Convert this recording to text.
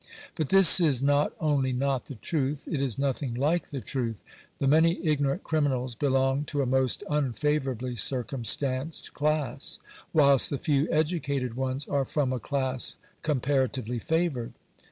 But this is not only not the truth ; it is nothing like the truth. The many ignorant criminals belong to a most unfavourably circumstanced class ; whilst the few educated ones are from a class comparatively favoured.